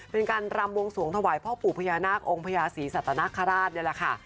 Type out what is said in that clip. เป็นการรำวงสวงถวายพ่อปู่พญานาคองค์พญาศรีสัตนคราชนี่แหละค่ะ